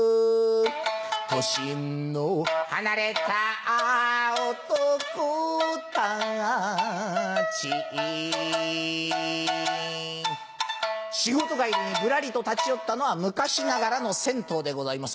年の離れた男たち仕事帰りにぶらりと立ち寄ったのは昔ながらの銭湯でございます。